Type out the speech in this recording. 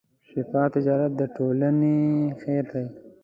شفاف تجارت د ټولنې خیر دی.